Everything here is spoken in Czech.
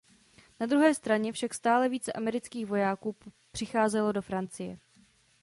Na druhé straně však stále více amerických vojáků přicházelo do Francie.